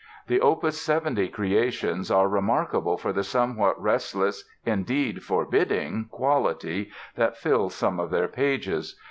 The Opus 70 creations are remarkable for the somewhat restless, indeed forbidding, quality that fills some of their pages.